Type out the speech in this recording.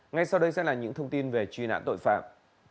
ngay sau đây sẽ là những thông tin về truy nã tội phạm